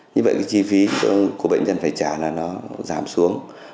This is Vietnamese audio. như vậy cái chi phí của bệnh nhân phải trả là nó giảm xuống